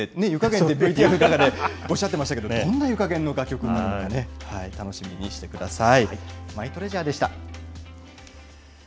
どんな湯加減で、湯加減って、ＶＴＲの中でおっしゃってましたけど、どんな湯加減の楽曲になるのかね、楽しみにしてください。